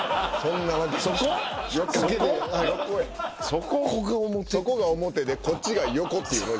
そこが表でこっちが横っていうの？